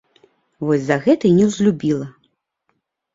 Вось за гэта і неўзлюбіла.